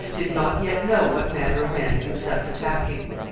did not yet know what manner of man he was thus attacking.